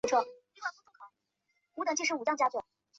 上城是葡萄牙里斯本市中心的一个区。